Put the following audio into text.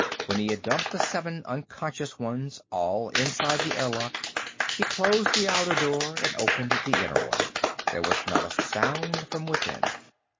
When he had dumped the seven unconscious ones all inside the airlock, he closed the outer door and opened the inner one. There was not a sound from within.